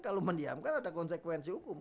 kalau mendiamkan ada konsekuensi hukum